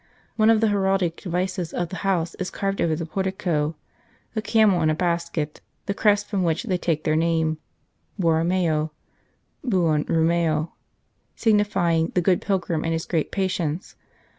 One of the heraldic de vices of the house is carved over the portico : the camel in a basket, the crest from which they take their name Borromeo (buon romeo) signifying the good pilgrim and his great patience.